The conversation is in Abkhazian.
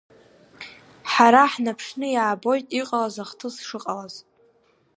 Ҳара ҳнаԥшны иаабоит иҟалаз ахҭыс шыҟалаз.